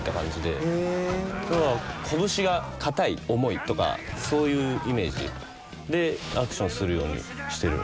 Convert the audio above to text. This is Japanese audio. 拳がかたい重いとかそういうイメージでアクションするようにしてる。